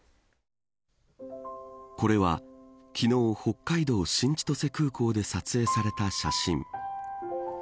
これは、昨日北海道新千歳空港で撮影された写真。